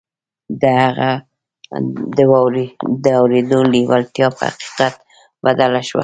د هغه د اورېدو لېوالتیا پر حقيقت بدله شوه.